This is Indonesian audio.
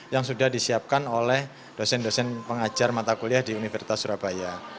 yang sudah disiapkan oleh dosen dosen pengajar mata kuliah di universitas surabaya